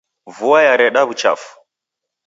Vua yadareda wuchafu.